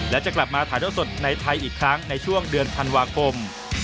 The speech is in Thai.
และจะกลับมาถ่ายเท่าสดในไทยอีกครั้งในช่วงเดือนธันวาคม